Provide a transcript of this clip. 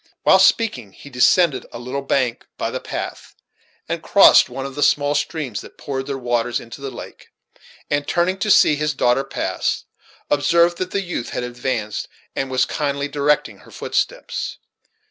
While speaking, he descended a little bank by the path, and crossed one of the small streams that poured their waters into the lake; and, turning to see his daughter pass, observed that the youth had advanced, and was kindly directing her footsteps.